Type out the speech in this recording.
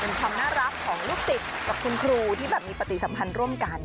เป็นความน่ารักของลูกศิษย์กับคุณครูที่แบบมีปฏิสัมพันธ์ร่วมกัน